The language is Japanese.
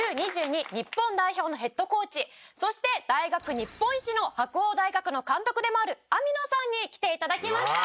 日本代表のヘッドコーチそして大学日本一の白大学の監督でもある網野さんに来て頂きました！